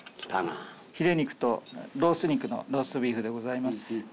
ヒレ肉とロース肉のローストビーフでございます。